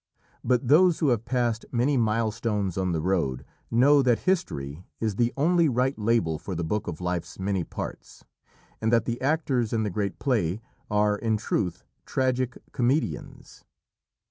But those who have passed many milestones on the road know that "History" is the only right label for the Book of Life's many parts, and that the actors in the great play are in truth tragic comedians.